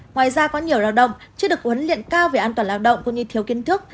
ngoài ra có nhiều lao động chưa được huấn luyện cao về an toàn lao động cũng như thiếu kiến thức